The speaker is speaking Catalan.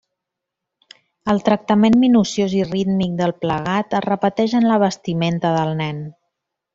El tractament minuciós i rítmic del plegat es repeteix en la vestimenta del Nen.